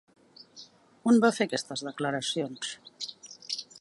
On va fer aquestes declaracions?